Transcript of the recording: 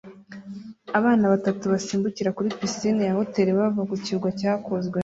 Abana batatu basimbukira muri pisine ya hoteri bava ku kirwa cyakozwe